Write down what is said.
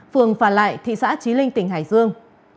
phường phà lại thị xã trí linh tỉnh hải dương